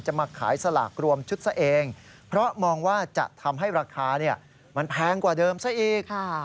มาขายสลากรวมชุดซะเองเพราะมองว่าจะทำให้ราคามันแพงกว่าเดิมซะอีก